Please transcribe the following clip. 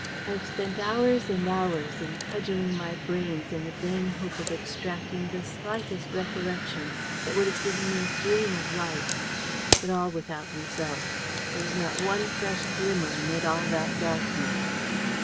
I have spent hours and hours in cudgeling my brains in the vain hope of extracting the slightest recollection that would have given me a gleam of light. But all without result. There was not one fresh glimmer amid all that darkness.